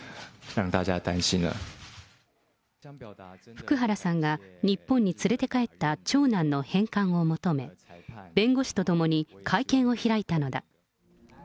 福原さんが、日本に連れて帰った長男の返還を求め、弁護士と共に会見を開いたのだ。